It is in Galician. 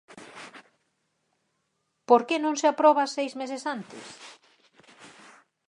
¿Por que non se aproba seis meses antes?